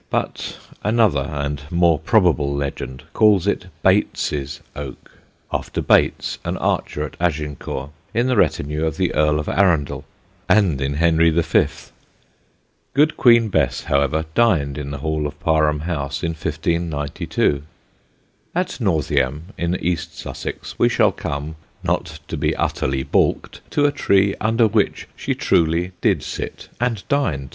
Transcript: But another and more probable legend calls it Bates's Oak, after Bates, an archer at Agincourt in the retinue of the Earl of Arundel (and in Henry V.). Good Queen Bess, however, dined in the hall of Parham House in 1592. At Northiam, in East Sussex, we shall come (not to be utterly baulked) to a tree under which she truly did sit and dine too.